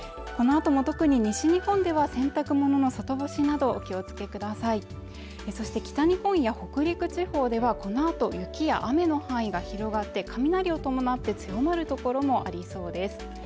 このあとも特に西日本では洗濯物の外干しなどお気をつけくださいそして北日本や北陸地方ではこのあと雪や雨の範囲が広がって雷を伴って強まる所もありそうです